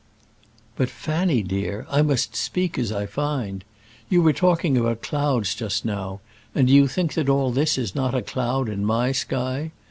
"But, Fanny, dear, I must speak as I find. You were talking about clouds just now, and do you think that all this is not a cloud in my sky?